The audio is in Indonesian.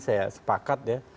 saya sepakat ya